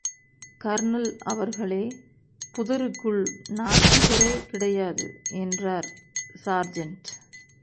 Kernel அவர்களே, புதருக்குள் நாஸ்திகரே கிடையாது என்றார் சார்ஜெண்ட்.